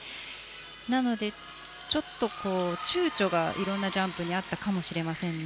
なので、ちょっと躊躇が色んなジャンプにあったかもしれませんね。